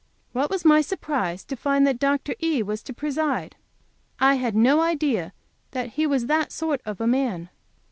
What was my surprise to find that Dr. E. was to preside! I had no idea that he was that sort of a man.